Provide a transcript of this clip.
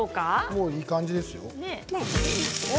もういい感じですよ。